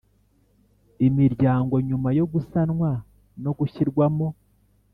imiryango nyuma yo gusanwa no gushyirwamo